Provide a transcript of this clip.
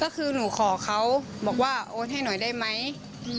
ก็คือหนูขอเขาบอกว่าโอนให้หน่อยได้ไหม